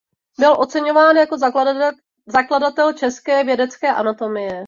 Byl oceňován jako zakladatel české vědecké anatomie.